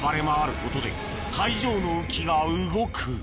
ことで海上の浮きが動く